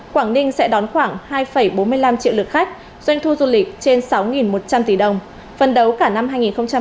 quảng ninh sẽ đón khoảng hai bốn mươi năm triệu lượt khách doanh thu du lịch trên sáu một trăm linh tỷ đồng phần đấu cả